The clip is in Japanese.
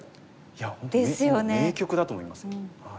いや本当に名局だと思いますよ。